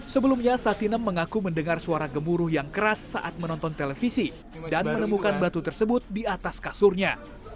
sebelumnya satinem mengaku mendengar suara gemuruh yang keras saat menonton televisi dan menemukan batu tersebut di atas kasurnya